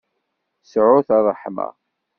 Sɛut ṛṛeḥma.